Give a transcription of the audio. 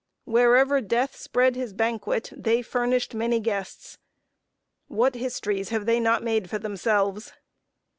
"Wherever Death spread his banquet, they furnished many guests." What histories have they not made for themselves!